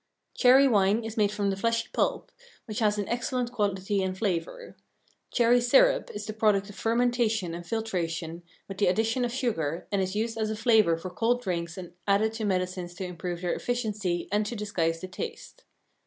Cherry wine is made from the fleshy pulp, which has an excellent quality and flavor. Cherry syrup is the product of fermentation and filtration with the addition of sugar and is used as a flavor for cold drinks and added to medicines to improve their efficiency and to disguise the taste.